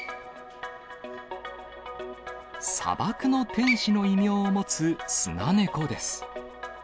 砂漠の天使の異名を持つ、スナネコです。